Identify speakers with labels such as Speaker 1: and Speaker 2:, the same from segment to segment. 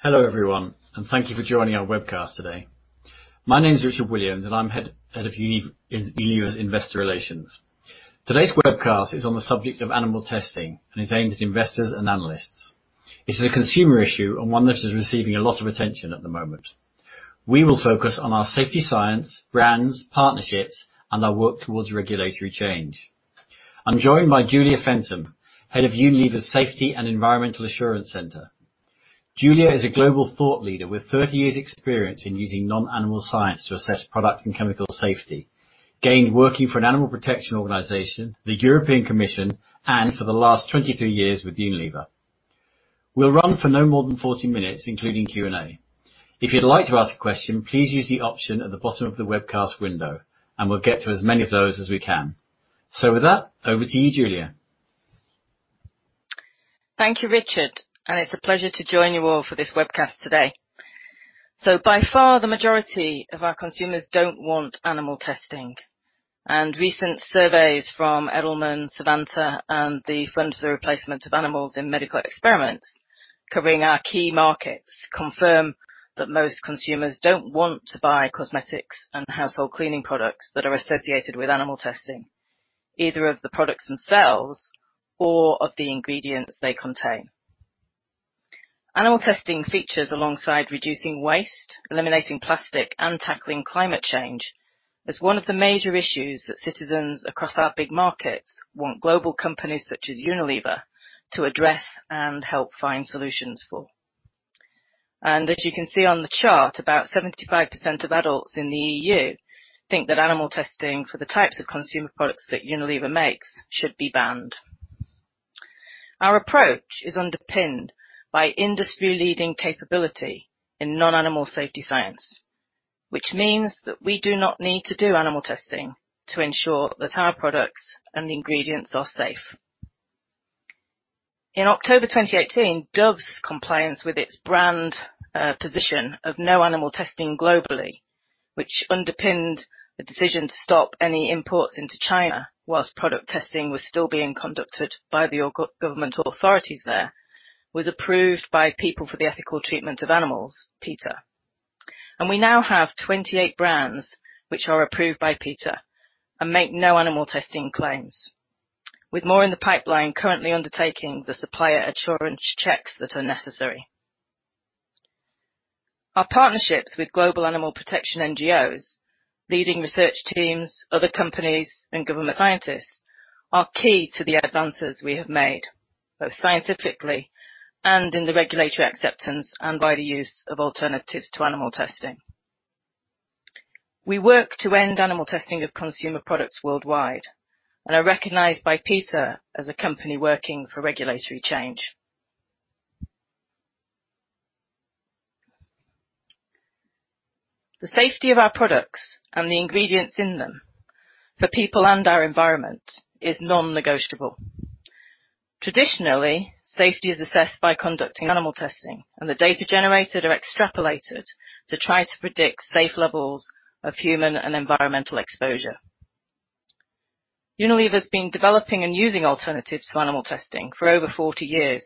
Speaker 1: Hello, everyone, and thank you for joining our webcast today. My name is Richard Williams, and I'm Head of Unilever's Investor Relations. Today's webcast is on the subject of animal testing and is aimed at investors and analysts. It's a consumer issue and one that is receiving a lot of attention at the moment. We will focus on our safety science, brands, partnerships, and our work towards regulatory change. I'm joined by Julia Fentem, Head of Unilever's Safety and Environmental Assurance Centre. Julia is a global thought leader with 30 years experience in using non-animal science to assess product and chemical safety, gained working for an animal protection organization, the European Commission, and for the last 23 years with Unilever. We'll run for no more than 40 minutes, including Q&A. If you'd like to ask a question, please use the option at the bottom of the webcast window, and we'll get to as many of those as we can. With that, over to you, Julia.
Speaker 2: Thank you, Richard. It's a pleasure to join you all for this webcast today. By far, the majority of our consumers don't want animal testing. Recent surveys from Edelman, Savanta, and the Fund for the Replacement of Animals in Medical Experiments, covering our key markets confirm that most consumers don't want to buy cosmetics and household cleaning products that are associated with animal testing, either of the products themselves or of the ingredients they contain. Animal testing features alongside reducing waste, eliminating plastic, and tackling climate change as one of the major issues that citizens across our big markets want global companies such as Unilever to address and help find solutions for. As you can see on the chart, about 75% of adults in the EU think that animal testing for the types of consumer products that Unilever makes should be banned. Our approach is underpinned by industry-leading capability in non-animal safety science, which means that we do not need to do animal testing to ensure that our products and ingredients are safe. In October 2018, Dove's compliance with its brand position of no animal testing globally, which underpinned a decision to stop any imports into China whilst product testing was still being conducted by the government authorities there, was approved by People for the Ethical Treatment of Animals, PETA. We now have 28 brands which are approved by PETA and make no animal testing claims. With more in the pipeline currently undertaking the supplier assurance checks that are necessary. Our partnerships with global animal protection NGOs, leading research teams, other companies, and government scientists are key to the advances we have made, both scientifically and in the regulatory acceptance and by the use of alternatives to animal testing. We work to end animal testing of consumer products worldwide and are recognized by PETA as a company working for regulatory change. The safety of our products and the ingredients in them, for people and our environment is non-negotiable. Traditionally, safety is assessed by conducting animal testing, and the data generated are extrapolated to try to predict safe levels of human and environmental exposure. Unilever's been developing and using alternatives to animal testing for over 40 years,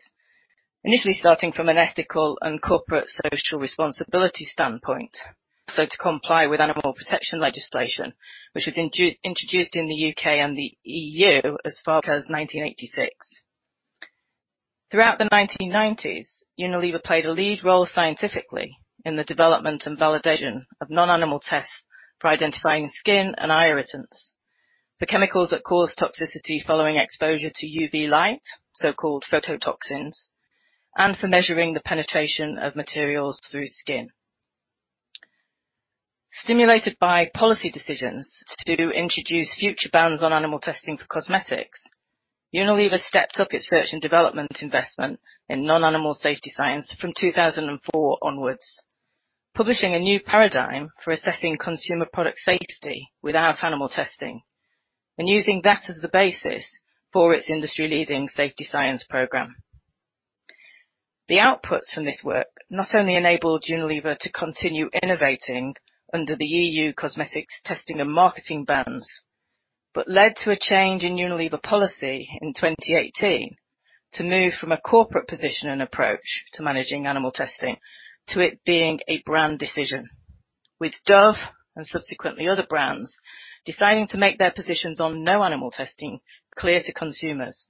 Speaker 2: initially starting from an ethical and corporate social responsibility standpoint, so to comply with animal protection legislation, which was introduced in the U.K. and the EU as far back as 1986. Throughout the 1990s, Unilever played a lead role scientifically in the development and validation of non-animal tests for identifying skin and eye irritants, for chemicals that cause toxicity following exposure to UV light, so-called phototoxins, and for measuring the penetration of materials through skin. Stimulated by policy decisions to introduce future bans on animal testing for cosmetics, Unilever stepped up its search and development investment in non-animal safety science from 2004 onwards, publishing a new paradigm for assessing consumer product safety without animal testing and using that as the basis for its industry-leading safety science program. The outputs from this work not only enabled Unilever to continue innovating under the EU cosmetics testing and marketing bans, but led to a change in Unilever policy in 2018 to move from a corporate position and approach to managing animal testing to it being a brand decision, with Dove and subsequently other brands, deciding to make their positions on no animal testing clear to consumers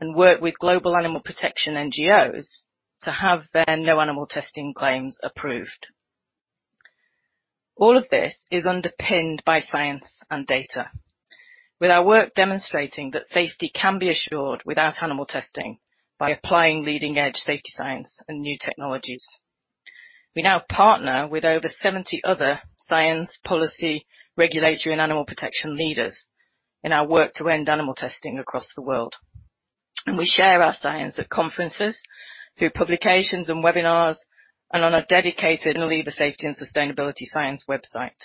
Speaker 2: and work with global animal protection NGOs to have their no animal testing claims approved. All of this is underpinned by science and data. With our work demonstrating that safety can be assured without animal testing by applying leading-edge safety science and new technologies. We now partner with over 70 other science, policy, regulatory, and animal protection leaders in our work to end animal testing across the world. We share our science at conferences, through publications and webinars, on our dedicated Unilever Safety and Sustainability Science website.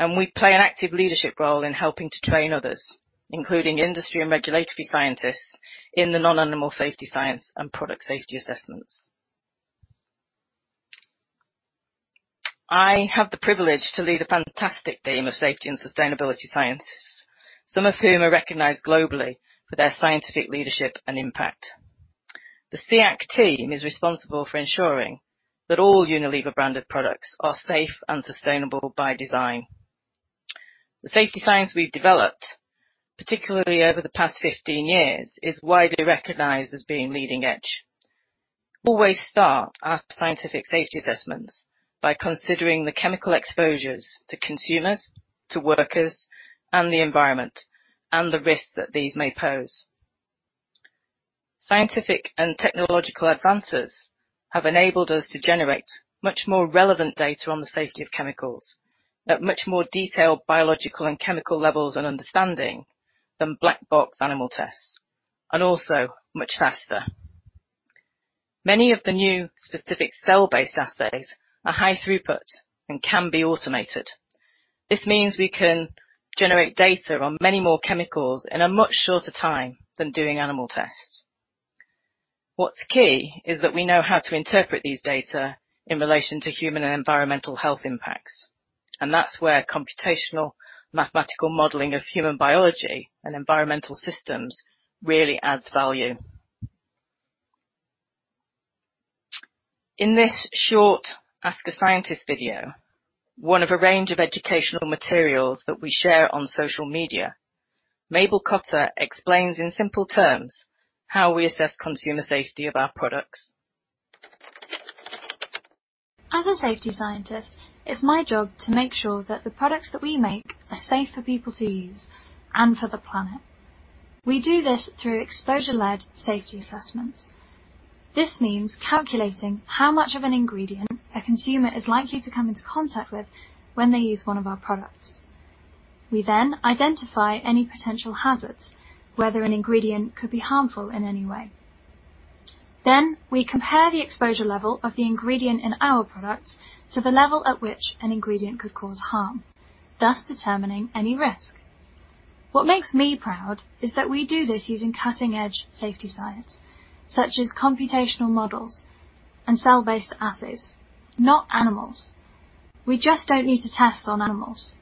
Speaker 2: We play an active leadership role in helping to train others, including industry and regulatory scientists in the non-animal safety science and product safety assessments. I have the privilege to lead a fantastic team of safety and sustainability scientists, some of whom are recognized globally for their scientific leadership and impact. The SEAC team is responsible for ensuring that all Unilever branded products are safe and sustainable by design. The safety science we've developed, particularly over the past 15 years, is widely recognized as being leading edge. Always start our scientific safety assessments by considering the chemical exposures to consumers, to workers and the environment, and the risks that these may pose. Scientific and technological advances have enabled us to generate much more relevant data on the safety of chemicals at much more detailed biological and chemical levels and understanding than black box animal tests, and also much faster. Many of the new specific cell-based assays are high throughput and can be automated. This means we can generate data on many more chemicals in a much shorter time than doing animal tests. What's key is that we know how to interpret these data in relation to human and environmental health impacts, and that's where computational mathematical modeling of human biology and environmental systems really adds value. In this short Ask a Scientist video, one of a range of educational materials that we share on social media, Mabel Cotter explains in simple terms how we assess consumer safety of our products.
Speaker 3: As a safety scientist, it's my job to make sure that the products that we make are safe for people to use and for the planet. We do this through exposure-led safety assessments. This means calculating how much of an ingredient a consumer is likely to come into contact with when they use one of our products. We identify any potential hazards, whether an ingredient could be harmful in any way. We compare the exposure level of the ingredient in our products to the level at which an ingredient could cause harm, thus determining any risk. What makes me proud is that we do this using cutting-edge safety science such as computational models and cell-based assays, not animals. We just don't need to test on animals.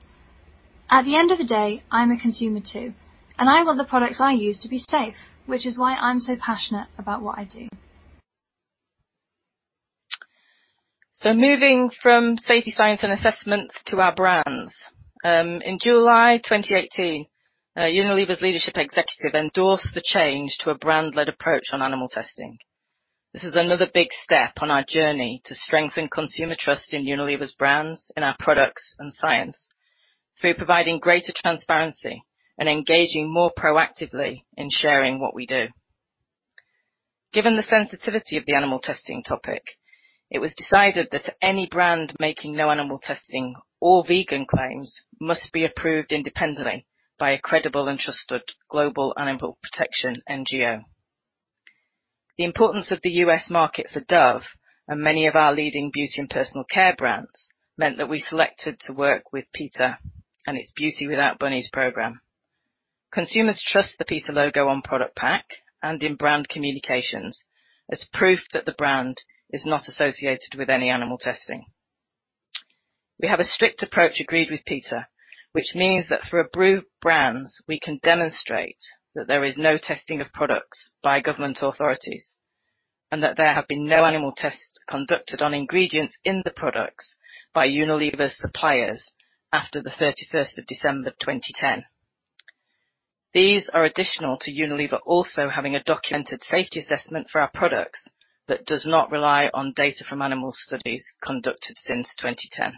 Speaker 3: At the end of the day, I'm a consumer too, and I want the products I use to be safe, which is why I'm so passionate about what I do.
Speaker 2: Moving from safety science and assessments to our brands. In July 2018, Unilever's leadership executive endorsed the change to a brand-led approach on animal testing. This is another big step on our journey to strengthen consumer trust in Unilever's brands, in our products and science through providing greater transparency and engaging more proactively in sharing what we do. Given the sensitivity of the animal testing topic, it was decided that any brand making no animal testing or vegan claims must be approved independently by a credible and trusted global animal protection NGO. The importance of the U.S. market for Dove and many of our leading beauty and personal care brands meant that we selected to work with PETA and its Beauty Without Bunnies program. Consumers trust the PETA logo on product pack and in brand communications as proof that the brand is not associated with any animal testing. We have a strict approach agreed with PETA, which means that for approved brands, we can demonstrate that there is no testing of products by government authorities, and that there have been no animal tests conducted on ingredients in the products by Unilever suppliers after the 31st of December 2010. These are additional to Unilever also having a documented safety assessment for our products that does not rely on data from animal studies conducted since 2010.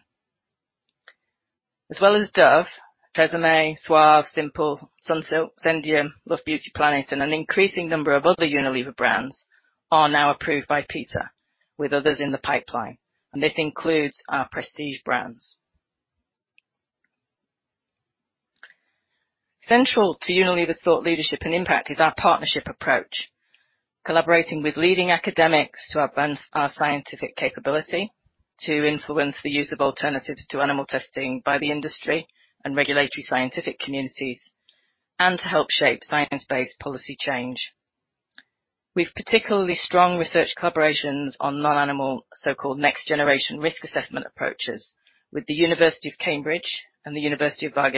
Speaker 2: As well as Dove, Vaseline, Suave, Simple, Sunsilk, Zendium, Love Beauty and Planet and an increasing number of other Unilever brands are now approved by PETA with others in the pipeline, and this includes our prestige brands. Central to Unilever's thought leadership and impact is our partnership approach, collaborating with leading academics to advance our scientific capability to influence the use of alternatives to animal testing by the industry and regulatory scientific communities, and to help shape science-based policy change. We've particularly strong research collaborations on non-animal, so-called Next Generation Risk Assessment approaches with the University of Cambridge and Wageningen University & Research,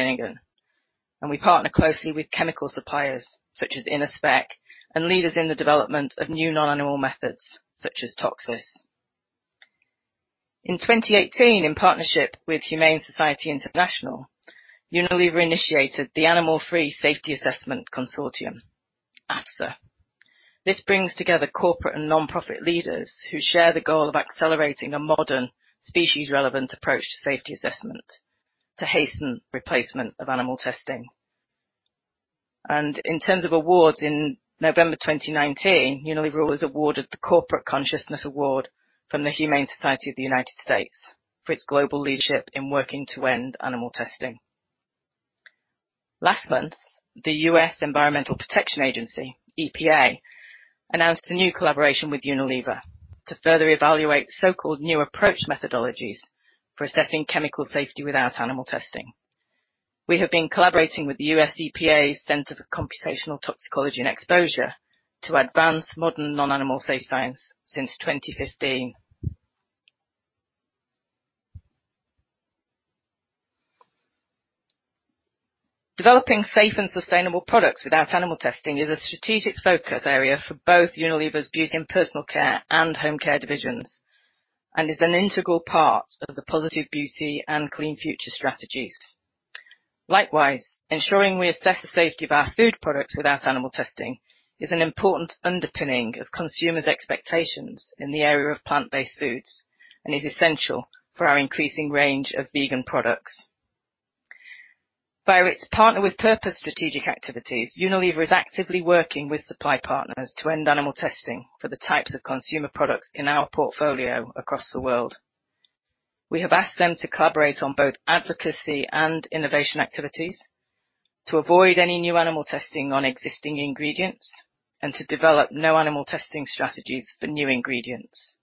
Speaker 2: and we partner closely with chemical suppliers such as Innospec and leaders in the development of new non-animal methods such as Toxys. In 2018, in partnership with Humane Society International, Unilever initiated the Animal-Free Safety Assessment Collaboration, AFSA. This brings together corporate and nonprofit leaders who share the goal of accelerating a modern species relevant approach to safety assessment to hasten replacement of animal testing. In terms of awards, in November 2019, Unilever was awarded the Corporate Consciousness Award from the Humane Society of the United States for its global leadership in working to end animal testing. Last month, the U.S. Environmental Protection Agency, EPA, announced a new collaboration with Unilever to further evaluate so-called New Approach Methodologies for assessing chemical safety without animal testing. We have been collaborating with the USEPA Center for Computational Toxicology and Exposure to advance modern non-animal safety science since 2015. Developing safe and sustainable products without animal testing is a strategic focus area for both Unilever's Beauty and Personal Care and Home Care divisions, and is an integral part of the Positive Beauty and Clean Future strategies. Ensuring we assess the safety of our food products without animal testing is an important underpinning of consumers' expectations in the area of plant-based foods and is essential for our increasing range of vegan products. Via its Partner with Purpose strategic activities, Unilever is actively working with supply partners to end animal testing for the types of consumer products in our portfolio across the world. We have asked them to collaborate on both advocacy and innovation activities to avoid any new animal testing on existing ingredients and to develop no animal testing strategies for new ingredients.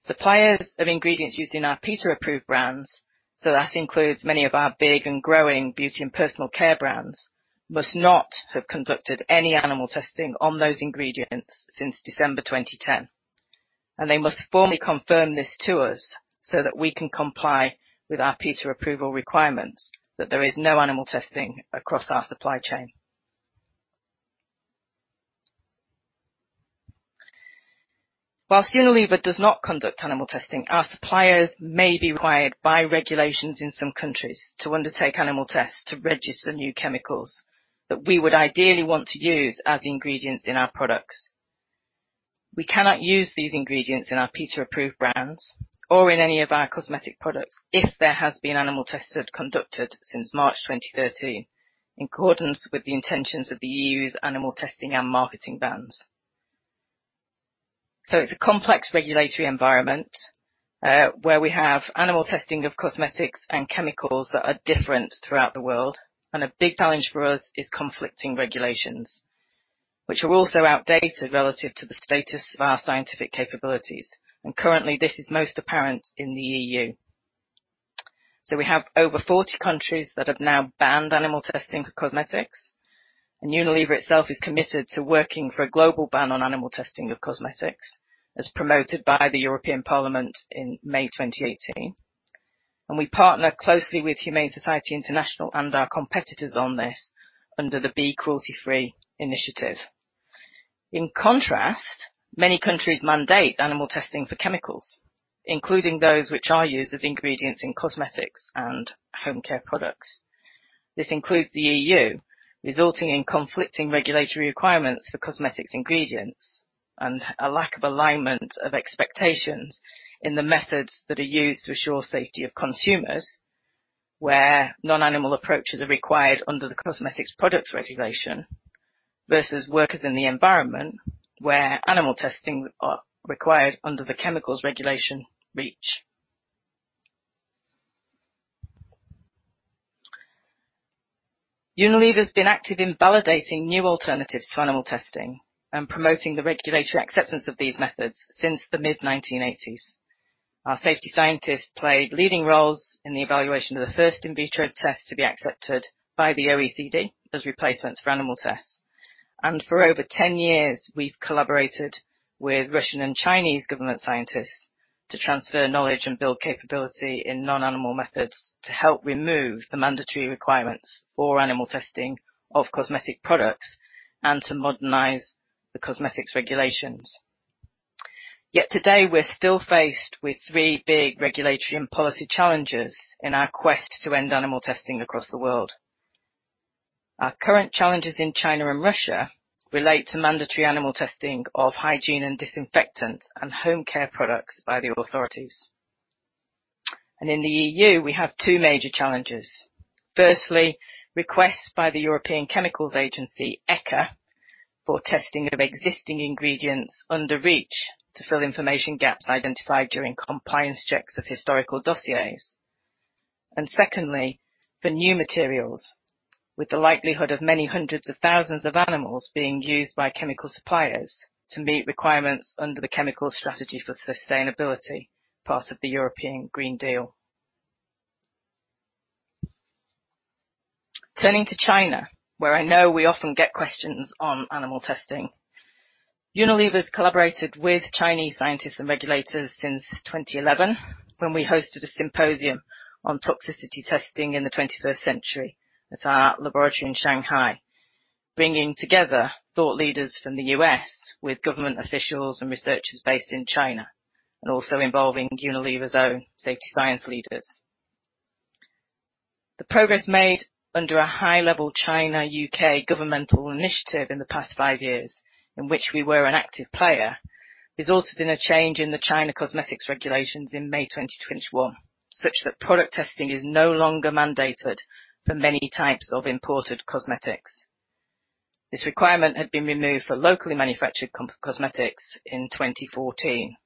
Speaker 2: Suppliers of ingredients used in our PETA-approved brands, so that includes many of our big and growing beauty and personal care brands, must not have conducted any animal testing on those ingredients since December 2010. They must formally confirm this to us so that we can comply with our PETA approval requirements that there is no animal testing across our supply chain. Whilst Unilever does not conduct animal testing, our suppliers may be required by regulations in some countries to undertake animal tests to register new chemicals that we would ideally want to use as ingredients in our products. We cannot use these ingredients in our PETA-approved brands or in any of our cosmetic products if there has been animal tests conducted since March 2013 in accordance with the intentions of the EU's animal testing and marketing bans. It's a complex regulatory environment, where we have animal testing of cosmetics and chemicals that are different throughout the world, and a big challenge for us is conflicting regulations, which are also outdated relative to the status of our scientific capabilities. Currently, this is most apparent in the EU. We have over 40 countries that have now banned animal testing for cosmetics, and Unilever itself is committed to working for a global ban on animal testing of cosmetics, as promoted by the European Parliament in May 2018. We partner closely with Humane Society International and our competitors on this under the Be Cruelty-Free initiative. In contrast, many countries mandate animal testing for chemicals, including those which are used as ingredients in cosmetics and Home Care products. This includes the EU, resulting in conflicting regulatory requirements for cosmetics ingredients and a lack of alignment of expectations in the methods that are used to assure safety of consumers, where non-animal approaches are required under the Cosmetics Products Regulation, versus workers in the environment where animal testing are required under the chemicals regulation REACH. Unilever's been active in validating new alternatives to animal testing and promoting the regulatory acceptance of these methods since the mid-1980s. Our safety scientists played leading roles in the evaluation of the first in vitro test to be accepted by the OECD as replacements for animal tests. For over 10 years, we've collaborated with Russian and Chinese government scientists to transfer knowledge and build capability in non-animal methods to help remove the mandatory requirements for animal testing of cosmetic products and to modernize the cosmetics regulations. Yet today, we're still faced with three big regulatory and policy challenges in our quest to end animal testing across the world. Our current challenges in China and Russia relate to mandatory animal testing of hygiene and disinfectant and Home Care products by the authorities. In the EU, we have two major challenges. Firstly, requests by the European Chemicals Agency, ECHA, for testing of existing ingredients under REACH to fill information gaps identified during compliance checks of historical dossiers. Secondly, for new materials, with the likelihood of many hundreds of thousands of animals being used by chemical suppliers to meet requirements under the Chemical Strategy for Sustainability, part of the European Green Deal. Turning to China, where I know we often get questions on animal testing. Unilever's collaborated with Chinese scientists and regulators since 2011, when we hosted a symposium on toxicity testing in the 21st century at our laboratory in Shanghai, bringing together thought leaders from the U.S. with government officials and researchers based in China, and also involving Unilever's own safety science leaders. The progress made under a high-level China/U.K. governmental initiative in the past five years, in which we were an active player, resulted in a change in the China cosmetics regulations in May 2021, such that product testing is no longer mandated for many types of imported cosmetics. This requirement had been removed for locally manufactured cosmetics in 2014.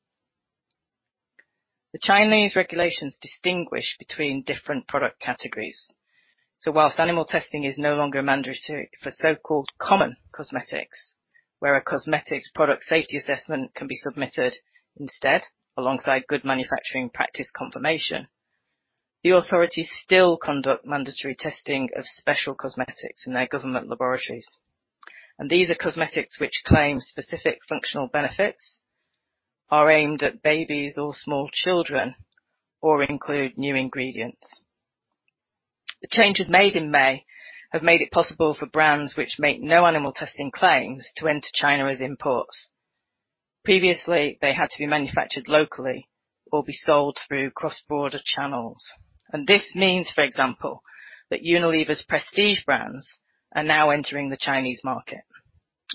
Speaker 2: The Chinese regulations distinguish between different product categories. Whilst animal testing is no longer mandatory for so-called common cosmetics, where a cosmetics product safety assessment can be submitted instead alongside good manufacturing practice confirmation. The authorities still conduct mandatory testing of special cosmetics in their government laboratories, and these are cosmetics which claim specific functional benefits, are aimed at babies or small children, or include new ingredients. The changes made in May have made it possible for brands which make no animal testing claims to enter China as imports. Previously, they had to be manufactured locally or be sold through cross-border channels. This means, for example, that Unilever's prestige brands are now entering the Chinese market.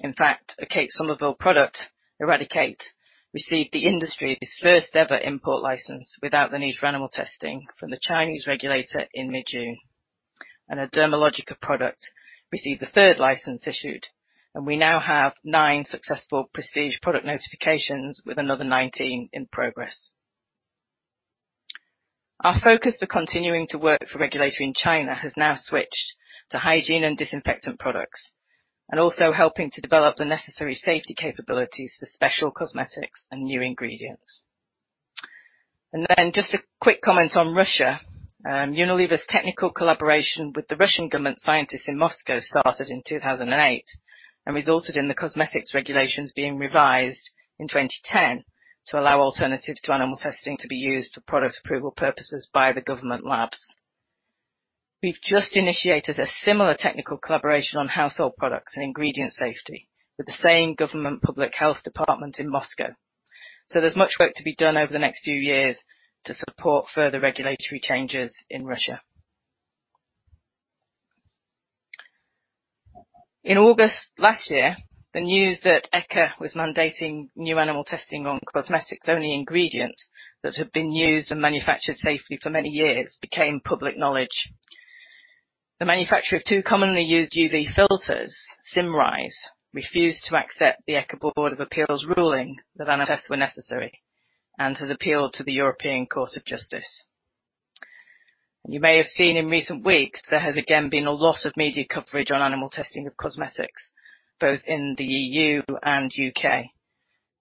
Speaker 2: In fact, a Kate Somerville product, EradiKate, received the industry's first ever import license without the need for animal testing from the Chinese regulator in mid-June. A Dermalogica product received the third license issued, and we now have nine successful prestige product notifications with another 19 in progress. Our focus for continuing to work for regulatory in China has now switched to hygiene and disinfectant products, and also helping to develop the necessary safety capabilities for special cosmetics and new ingredients. Then just a quick comment on Russia. Unilever's technical collaboration with the Russian government scientists in Moscow started in 2008 and resulted in the cosmetics regulations being revised in 2010 to allow alternatives to animal testing to be used for product approval purposes by the government labs. We've just initiated a similar technical collaboration on household products and ingredient safety with the same government public health department in Moscow. There's much work to be done over the next few years to support further regulatory changes in Russia. In August last year, the news that ECHA was mandating new animal testing on cosmetics-only ingredients that have been used and manufactured safely for many years became public knowledge. The manufacturer of two commonly used UV filters, Symrise, refused to accept the ECHA Board of Appeal ruling that animal tests were necessary and has appealed to the European Court of Justice. You may have seen in recent weeks there has again been a lot of media coverage on animal testing of cosmetics, both in the EU and U.K.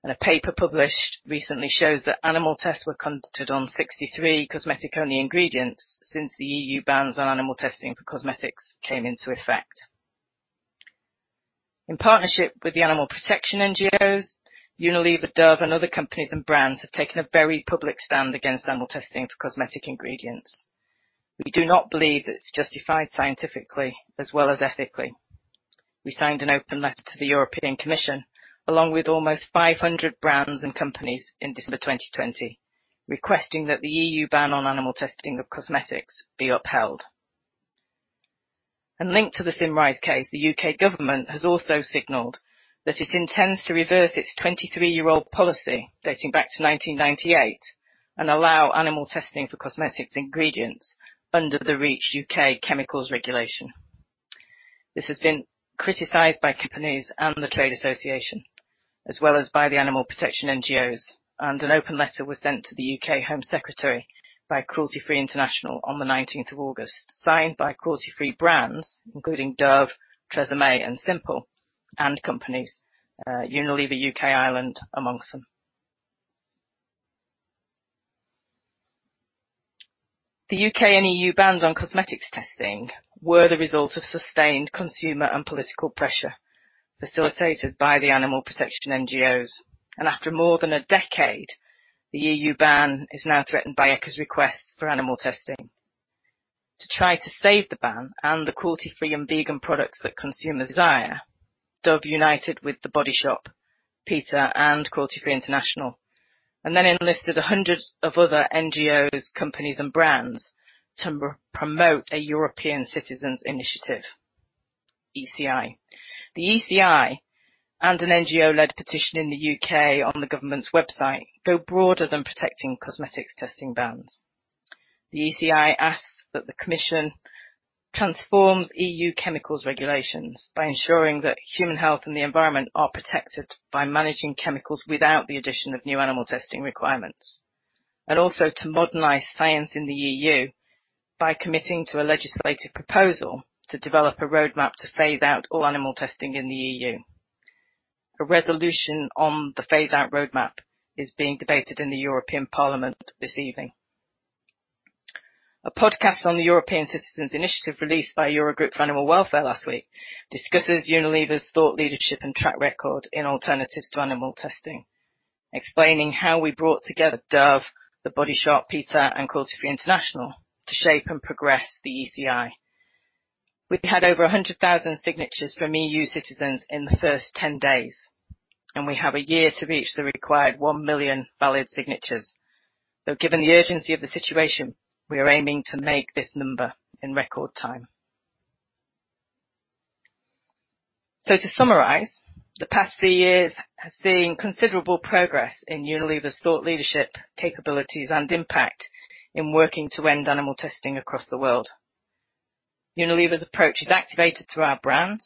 Speaker 2: A paper published recently shows that animal tests were conducted on 63 cosmetic-only ingredients since the EU bans on animal testing for cosmetics came into effect. In partnership with the animal protection NGOs, Unilever, Dove, and other companies and brands have taken a very public stand against animal testing for cosmetic ingredients. We do not believe it's justified scientifically as well as ethically. We signed an open letter to the European Commission, along with almost 500 brands and companies in December 2020, requesting that the EU ban on animal testing of cosmetics be upheld. Linked to the Symrise case, the U.K. government has also signaled that it intends to reverse its 23-year-old policy dating back to 1998 and allow animal testing for cosmetics ingredients under the REACH U.K. chemicals regulation. This has been criticized by companies and the trade association, as well as by the animal protection NGOs, and an open letter was sent to the U.K. Home Secretary by Cruelty Free International on the 19th of August, signed by Cruelty Free brands including Dove, TRESemmé, and Simple, and companies, Unilever U.K. & Ireland amongst them. The U.K. and EU bans on cosmetics testing were the result of sustained consumer and political pressure facilitated by the animal protection NGOs. After more than a decade, the EU ban is now threatened by ECHA's request for animal testing. To try to save the ban and the cruelty-free and vegan products that consumers desire, Dove united with The Body Shop, PETA, and Cruelty Free International, and then enlisted hundreds of other NGOs, companies, and brands to promote a European Citizens' Initiative, ECI. The ECI and an NGO-led petition in the U.K. on the government's website go broader than protecting cosmetics testing bans. The ECI asks that the Commission transforms EU chemicals regulations by ensuring that human health and the environment are protected by managing chemicals without the addition of new animal testing requirements, and also to modernize science in the EU by committing to a legislative proposal to develop a roadmap to phase out all animal testing in the EU. A resolution on the phase-out roadmap is being debated in the European Parliament this evening. A podcast on the European Citizens' Initiative released by Eurogroup for Animals last week discusses Unilever's thought leadership and track record in alternatives to animal testing, explaining how we brought together Dove, The Body Shop, PETA, and Cruelty Free International to shape and progress the ECI. We've had over 100,000 signatures from EU citizens in the first 10 days, and we have a year to reach the required 1 million valid signatures. Though given the urgency of the situation, we are aiming to make this number in record time. To summarize, the past three years have seen considerable progress in Unilever's thought leadership capabilities and impact in working to end animal testing across the world. Unilever's approach is activated through our brands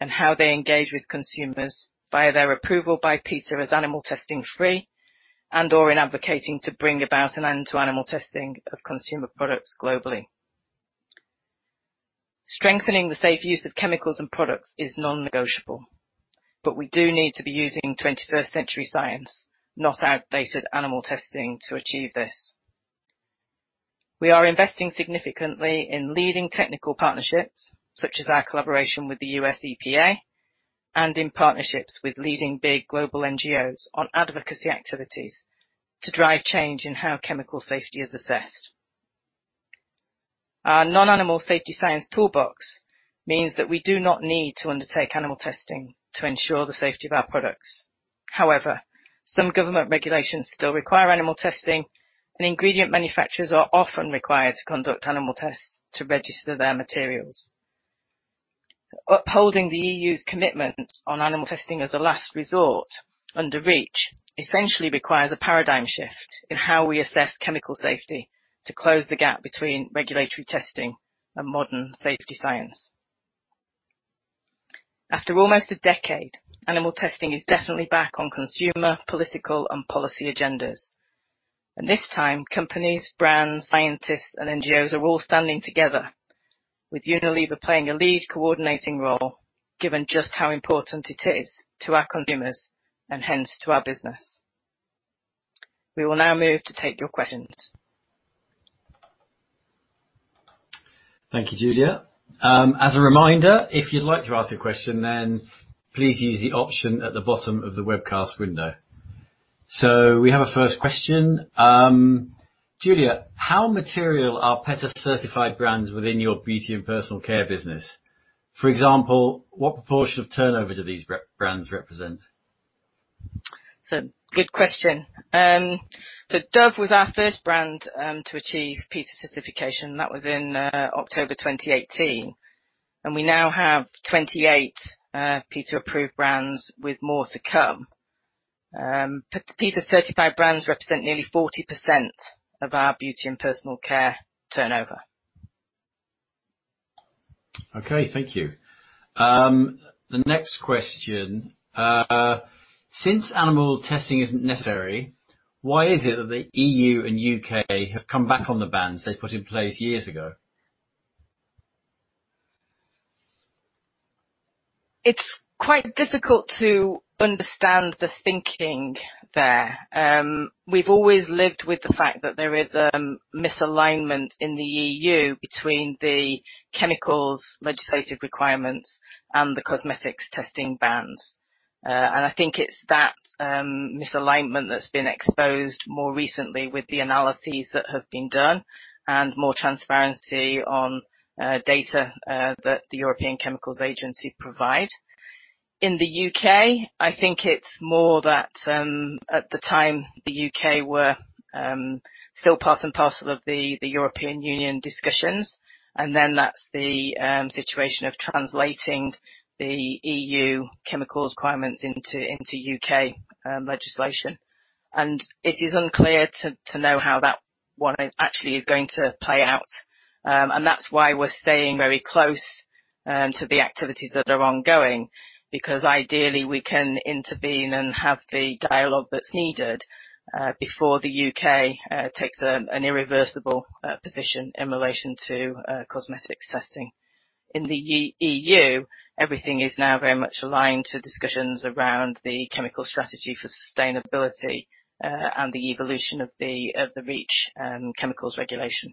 Speaker 2: and how they engage with consumers via their approval by PETA as animal testing free and/or in advocating to bring about an end to animal testing of consumer products globally. Strengthening the safe use of chemicals and products is non-negotiable, but we do need to be using 21st century science, not outdated animal testing to achieve this. We are investing significantly in leading technical partnerships, such as our collaboration with the USEPA, and in partnerships with leading big global NGOs on advocacy activities to drive change in how chemical safety is assessed. Our non-animal safety science toolbox means that we do not need to undertake animal testing to ensure the safety of our products. However, some government regulations still require animal testing, and ingredient manufacturers are often required to conduct animal tests to register their materials. Upholding the EU's commitment on animal testing as a last resort under REACH, essentially requires a paradigm shift in how we assess chemical safety to close the gap between regulatory testing and modern safety science. This time, companies, brands, scientists, and NGOs are all standing together with Unilever playing a lead coordinating role, given just how important it is to our consumers and hence to our business. We will now move to take your questions.
Speaker 1: Thank you, Julia. As a reminder, if you'd like to ask a question, then please use the option at the bottom of the webcast window. We have a first question. Julia, how material are PETA certified brands within your Beauty and Personal Care business? For example, what proportion of turnover do these brands represent?
Speaker 2: It's a good question. Dove was our first brand to achieve PETA certification. That was in October 2018, and we now have 28 PETA approved brands with more to come. PETA certified brands represent nearly 40% of our Beauty and Personal Care turnover.
Speaker 1: Okay. Thank you. The next question. Since animal testing isn't necessary, why is it that the EU and U.K. have come back on the bans they put in place years ago?
Speaker 2: It's quite difficult to understand the thinking there. We've always lived with the fact that there is a misalignment in the EU between the chemicals legislative requirements and the cosmetics testing bans. I think it's that misalignment that's been exposed more recently with the analyses that have been done and more transparency on data that the European Chemicals Agency provide. In the U.K., I think it's more that at the time, the U.K. were still part and parcel of the European Union discussions, and then that's the situation of translating the EU chemicals requirements into U.K. legislation. It is unclear to know how that one actually is going to play out. That's why we're staying very close to the activities that are ongoing, because ideally we can intervene and have the dialogue that's needed before the U.K. takes an irreversible position in relation to cosmetics testing. In the EU, everything is now very much aligned to discussions around the Chemical Strategy for Sustainability and the evolution of the REACH chemicals regulation.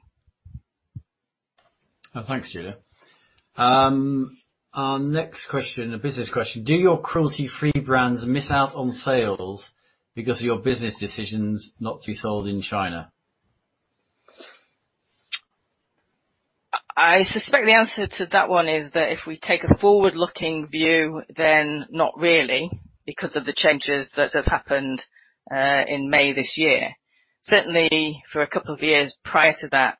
Speaker 1: Thanks, Julia. Our next question, a business question. Do your cruelty-free brands miss out on sales because of your business decisions not to be sold in China?
Speaker 2: I suspect the answer to that one is that if we take a forward-looking view, then not really because of the changes that have happened in May this year. Certainly for a couple of years prior to that,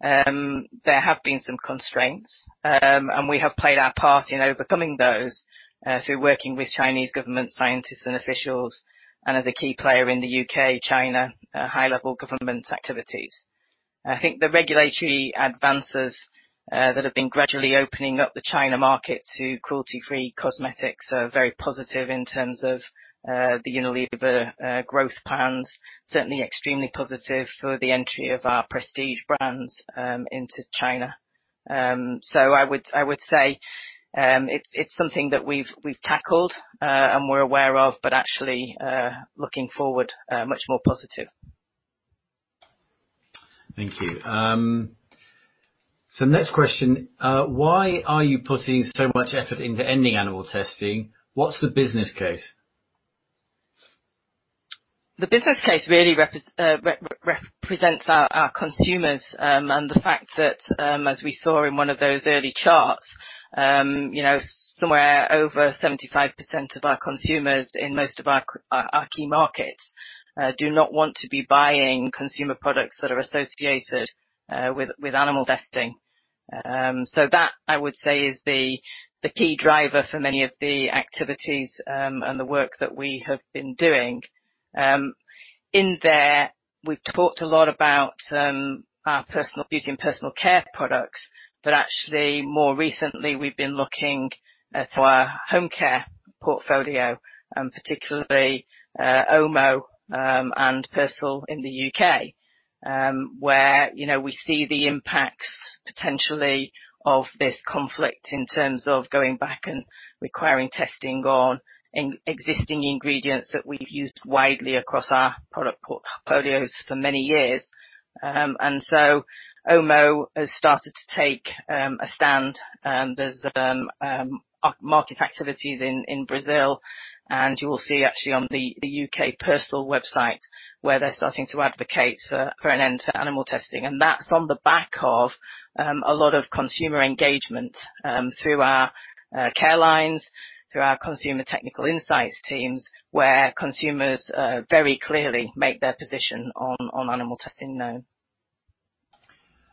Speaker 2: there have been some constraints. We have played our part in overcoming those through working with Chinese government scientists and officials and as a key player in the U.K., China high-level government activities. I think the regulatory advances that have been gradually opening up the China market to cruelty-free cosmetics are very positive in terms of the Unilever growth plans. Certainly extremely positive for the entry of our prestige brands into China. I would say it's something that we've tackled, and we're aware of, but actually, looking forward, much more positive.
Speaker 1: Thank you. Next question. Why are you putting so much effort into ending animal testing? What's the business case?
Speaker 2: The business case really represents our consumers and the fact that, as we saw in one of those early charts, somewhere over 75% of our consumers in most of our key markets do not want to be buying consumer products that are associated with animal testing. That, I would say is the key driver for many of the activities and the work that we have been doing. In there, we've talked a lot about our personal beauty and personal care products, but actually more recently, we've been looking at our Home Care portfolio, and particularly Omo and Persil in the U.K., where we see the impacts potentially of this conflict in terms of going back and requiring testing on existing ingredients that we've used widely across our product portfolios for many years. Omo has started to take a stand. There's market activities in Brazil, and you will see actually on the U.K. Persil website where they're starting to advocate for an end to animal testing. That's on the back of a lot of consumer engagement through our care lines, through our consumer technical insights teams, where consumers very clearly make their position on animal testing known.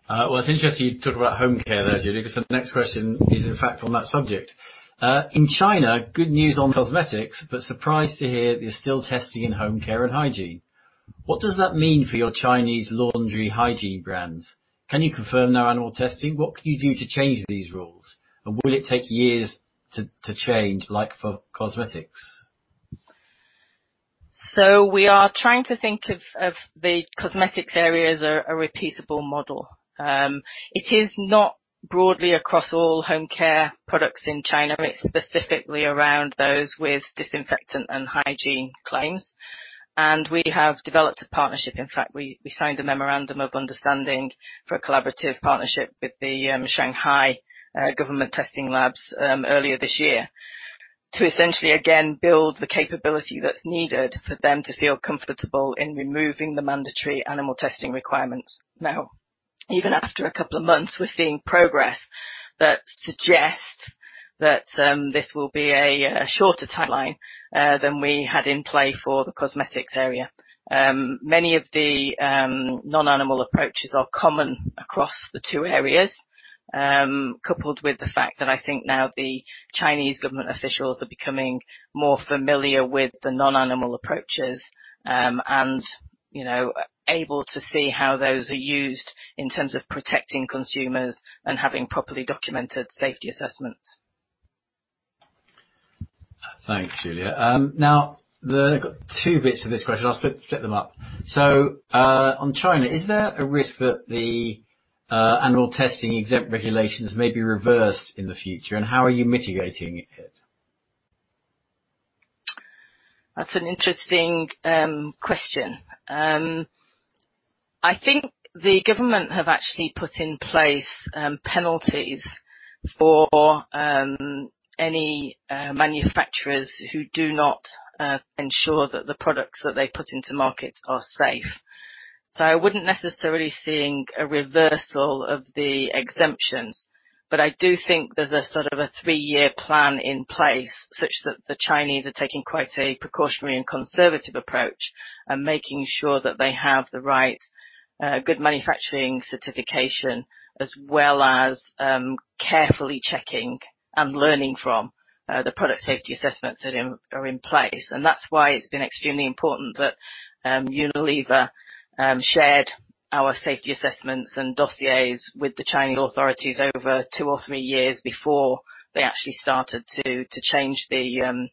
Speaker 1: Well, it's interesting you talk about Home Care there, Julia, because the next question is in fact, on that subject. In China, good news on cosmetics, but surprised to hear that you're still testing in Home Care and hygiene. What does that mean for your Chinese laundry hygiene brands? Can you confirm no animal testing? What can you do to change these rules? Will it take years to change, like for cosmetics?
Speaker 2: We are trying to think of the cosmetics area as a repeatable model. It is not broadly across all Home Care products in China. It's specifically around those with disinfectant and hygiene claims. We have developed a partnership. In fact, we signed a memorandum of understanding for a collaborative partnership with the Shanghai government testing labs earlier this year to essentially, again, build the capability that's needed for them to feel comfortable in removing the mandatory animal testing requirements. Even after a couple of months, we're seeing progress that suggests that this will be a shorter timeline than we had in play for the cosmetics area. Many of the non-animal approaches are common across the two areas, coupled with the fact that I think now the Chinese government officials are becoming more familiar with the non-animal approaches, and able to see how those are used in terms of protecting consumers and having properly documented safety assessments.
Speaker 1: Thanks, Julia. I've got two bits for this question. I'll split them up. On China, is there a risk that the animal testing exempt regulations may be reversed in the future? How are you mitigating it?
Speaker 2: That's an interesting question. I think the government have actually put in place penalties for any manufacturers who do not ensure that the products that they put into markets are safe. I wouldn't necessarily seeing a reversal of the exemptions, but I do think there's a sort of a three-year plan in place such that the Chinese are taking quite a precautionary and conservative approach and making sure that they have the right good manufacturing certification as well as carefully checking and learning from the product safety assessments that are in place. That's why it's been extremely important that Unilever shared our safety assessments and dossiers with the Chinese authorities over two or three years before they actually started to change the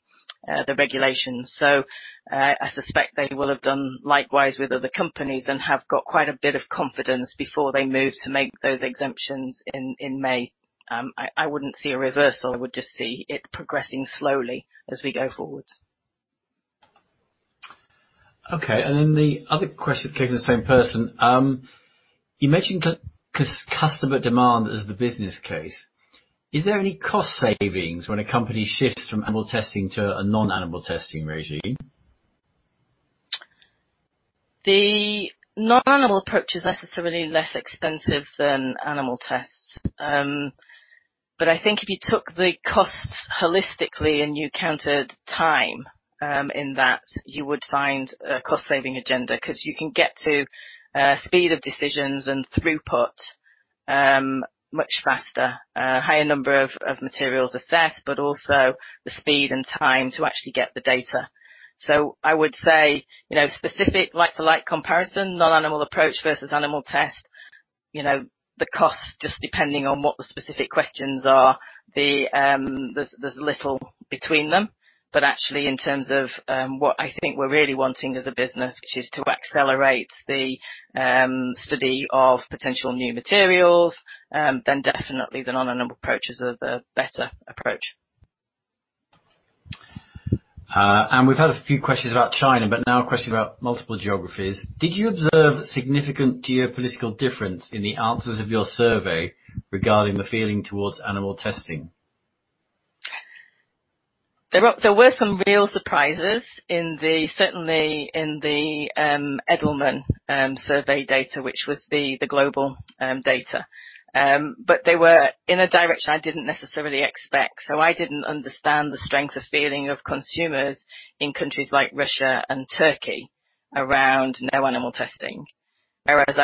Speaker 2: regulations. I suspect they will have done likewise with other companies and have got quite a bit of confidence before they move to make those exemptions in May. I wouldn't see a reversal. I would just see it progressing slowly as we go forward.
Speaker 1: Okay. The other question came from the same person. You mentioned customer demand as the business case. Is there any cost savings when a company shifts from animal testing to a non-animal testing regime?
Speaker 2: The non-animal approach is necessarily less expensive than animal tests. I think if you took the costs holistically and you counted time in that, you would find a cost-saving agenda, because you can get to speed of decisions and throughput much faster. A higher number of materials assessed, but also the speed and time to actually get the data. I would say, specific like-to-like comparison, non-animal approach versus animal test, the cost, just depending on what the specific questions are, there's little between them. Actually, in terms of what I think we're really wanting as a business, which is to accelerate the study of potential new materials, then definitely the non-animal approaches are the better approach.
Speaker 1: We've had a few questions about China, but now a question about multiple geographies. Did you observe significant geopolitical difference in the answers of your survey regarding the feeling towards animal testing?
Speaker 2: There were some real surprises, certainly in the Edelman survey data, which was the global data. They were in a direction I didn't necessarily expect. I didn't understand the strength of feeling of consumers in countries like Russia and Turkey around no animal testing. Whereas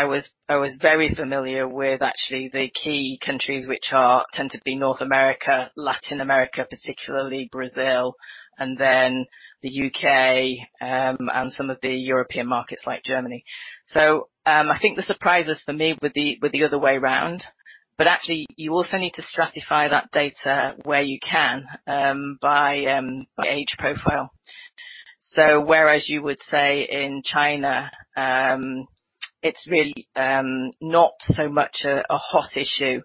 Speaker 2: I was very familiar with actually the key countries which tend to be North America, Latin America, particularly Brazil, and then the U.K., and some of the European markets like Germany. I think the surprises for me were the other way around. Actually, you also need to stratify that data where you can by age profile. Whereas you would say in China, it's really not so much a hot issue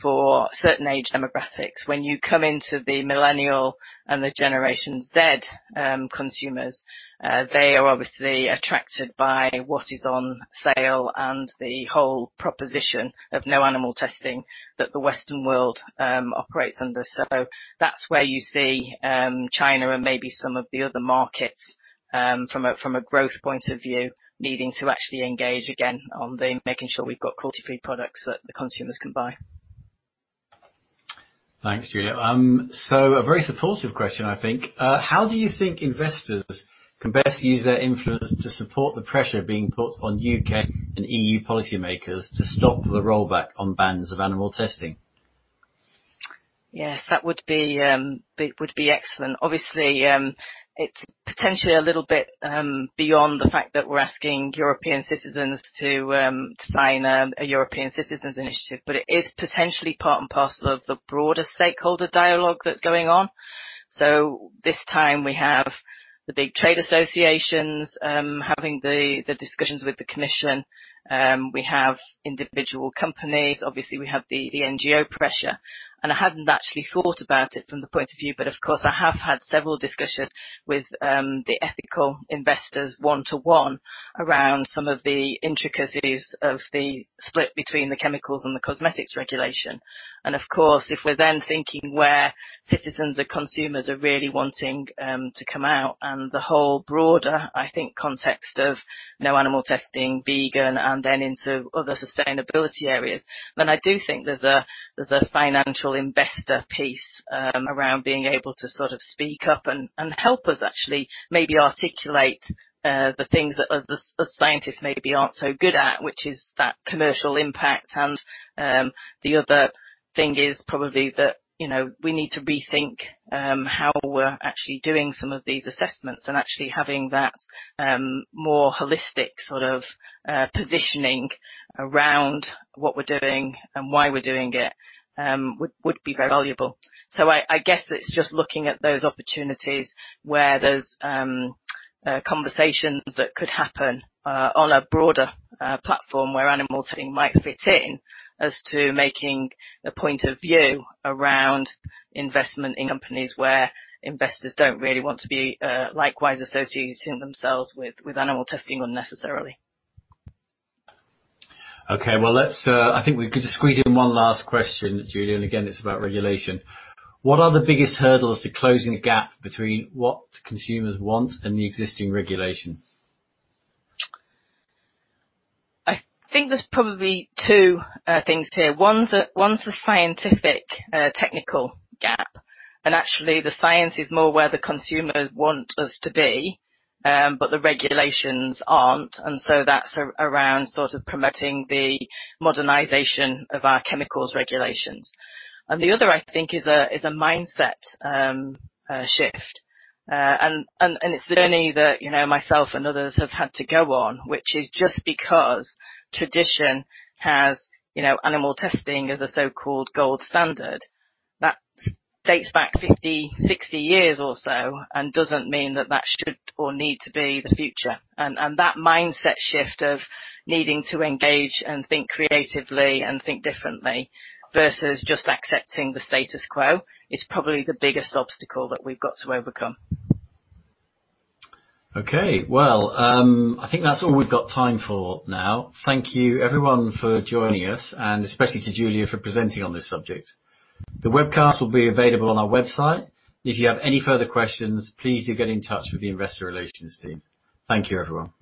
Speaker 2: for certain age demographics. When you come into the millennial and the generation Z consumers, they are obviously attracted by what is on sale and the whole proposition of no animal testing that the Western world operates under. That's where you see China and maybe some of the other markets, from a growth point of view, needing to actually engage again on the making sure we've got cruelty-free products that the consumers can buy.
Speaker 1: Thanks, Julia. A very supportive question, I think. How do you think investors can best use their influence to support the pressure being put on U.K. and EU policymakers to stop the rollback on bans of animal testing?
Speaker 2: Yes, that would be excellent. Obviously, it's potentially a little bit beyond the fact that we're asking European citizens to sign a European Citizens' Initiative, but it is potentially part and parcel of the broader stakeholder dialogue that's going on. This time we have the big trade associations having the discussions with the Commission. We have individual companies, obviously we have the NGO pressure, and I hadn't actually thought about it from the point of view, but of course, I have had several discussions with the ethical investors one-to-one around some of the intricacies of the split between the chemicals and the cosmetics regulation. Of course, if we're then thinking where citizens and consumers are really wanting to come out and the whole broader, I think, context of no animal testing, vegan, and then into other sustainability areas, then I do think there's a financial investor piece around being able to sort of speak up and help us actually maybe articulate the things that us scientists maybe aren't so good at, which is that commercial impact, and the other thing is probably that we need to rethink how we're actually doing some of these assessments and actually having that more holistic sort of positioning around what we're doing and why we're doing it would be very valuable. I guess it's just looking at those opportunities where there's conversations that could happen on a broader platform where animal testing might fit in as to making a point of view around investment in companies where investors don't really want to be likewise associating themselves with animal testing unnecessarily.
Speaker 1: Okay. I think we could just squeeze in one last question, Julia. Again, it's about regulation. What are the biggest hurdles to closing the gap between what consumers want and the existing regulation?
Speaker 2: I think there's probably two things here. One's the scientific technical gap, and actually, the science is more where the consumers want us to be, but the regulations aren't. That's around sort of promoting the modernization of our chemicals regulations. The other, I think, is a mindset shift. It's the journey that myself and others have had to go on, which is just because tradition has animal testing as a so-called gold standard. That dates back 50, 60 years or so and doesn't mean that that should or need to be the future. That mindset shift of needing to engage and think creatively and think differently versus just accepting the status quo is probably the biggest obstacle that we've got to overcome.
Speaker 1: Okay. Well, I think that's all we've got time for now. Thank you everyone for joining us, and especially to Julia for presenting on this subject. The webcast will be available on our website. If you have any further questions, please do get in touch with the Investor Relations team. Thank you, everyone.